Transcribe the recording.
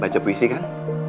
baca puisi kan